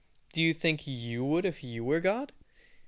Do you think you would if you were God?